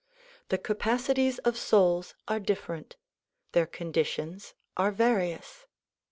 The ca pacities of souls are diiferent. Their conditions are various.